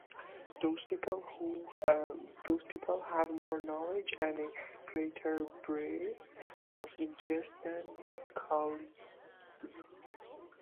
These people have more knowledge and a greater breadth of interests than their colleagues.